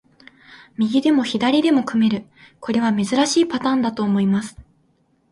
右でも左でも組める、これは珍しいパターンだと思います。